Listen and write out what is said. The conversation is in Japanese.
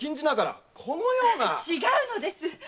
違うのです。